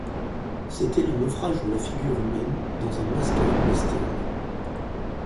C’était le naufrage de la figure humaine dans un mascaron bestial.